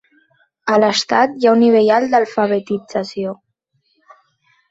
A l'estat hi ha un nivell alt d'alfabetització.